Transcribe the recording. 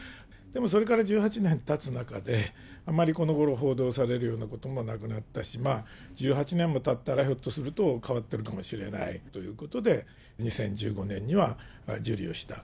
でも、それから１８年たつ中で、あまりこのごろ、報道されるようなこともなくなったし、まあ、１８年もたったら、ひょっとすると変わってるかもしれないということで、２０１５年には受理をした。